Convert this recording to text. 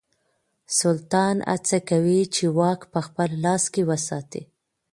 سلطان هڅه کوي چې واک په خپل لاس کې وساتي.